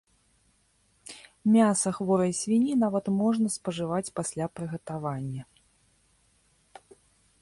Мяса хворай свінні нават можна спажываць пасля прыгатавання.